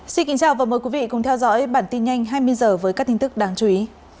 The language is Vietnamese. xin kính chào và mời quý vị cùng theo dõi bản tin nhanh hai mươi h với các tin tức đáng chú ý